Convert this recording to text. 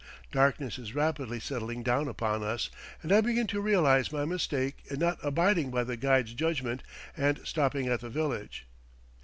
Darkness is rapidly settling down upon us, and I begin to realize my mistake in not abiding by the guide's judgment and stopping at the village.